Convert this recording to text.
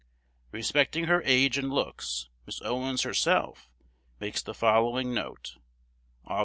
Respecting her age and looks, Miss. Owens herself makes the following note, Aug.